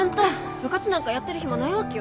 部活なんかやってる暇ないわけよ。